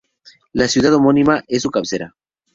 La ciudad homónima es su cabecera.